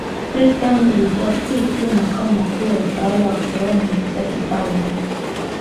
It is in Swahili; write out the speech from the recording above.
Freetown ilikuwa si tu makao makuu ya utawala wa koloni la kifalme